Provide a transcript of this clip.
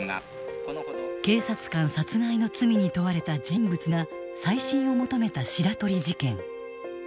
警察官殺害の罪に問われた人物が再審を求めた白鳥事件。